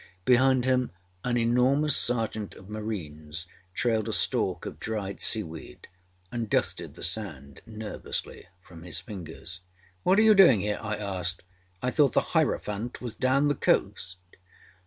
Behind him an enormous Sergeant of Marines trailed a stalk of dried seaweed, and dusted the sand nervously from his fingers. âWhat are you doing here?â I asked. âI thought the Hierophant was down the coast?